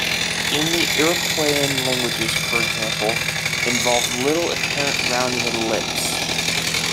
In the Iroquoian languages, for example, involved little apparent rounding of the lips.